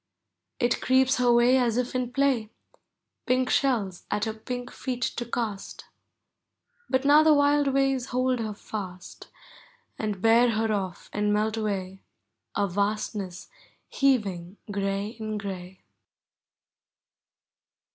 It creeps her way as if in play. Pink shells at her pink feet to cast; But now the wild waves hold her fast, And bear her off and melt away, A vastness heaving gray in gray.